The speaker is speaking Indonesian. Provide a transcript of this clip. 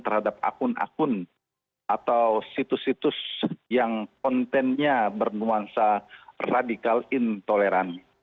terhadap akun akun atau situs situs yang kontennya bernuansa radikal intoleran